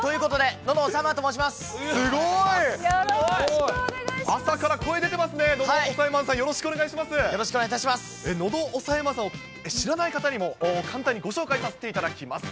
喉押さえマンさんを知らない方にも、簡単にご紹介させていただきます。